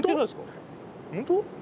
本当？